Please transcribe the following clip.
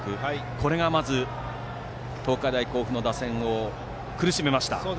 これがまず東海大甲府の打線を苦しめました。